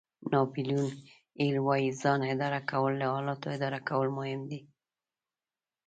ناپیلیون هېل وایي ځان اداره کول له حالاتو اداره کولو مهم دي.